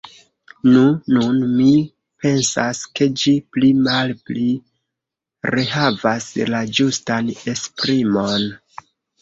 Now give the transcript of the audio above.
Nu, nun mi pensas, ke ĝi pli-malpi rehavas la ĝustan esprimon!